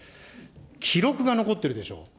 記録が残ってるでしょ。